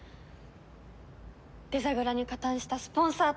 デザグラに加担したスポンサーとして。